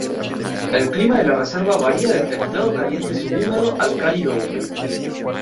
El clima de la reserva varía del templado caliente-subhúmedo al cálido húmedo.